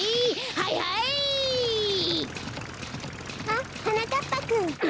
あっはなかっぱくん。